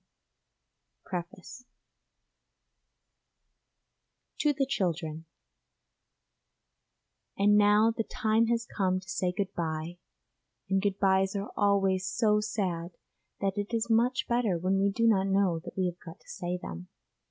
_ PREFACE TO THE CHILDREN And now the time has come to say good bye; and good byes are always so sad that it is much better when we do not know that we have got to say them.